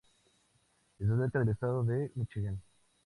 Está cerca del estado de Míchigan.